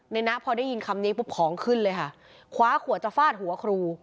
นะพอได้ยินคำนี้ปุ๊บของขึ้นเลยค่ะคว้าขวดจะฟาดหัวครู